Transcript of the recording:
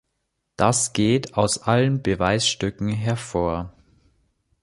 Das geht aus allen Beweisstücken hervor.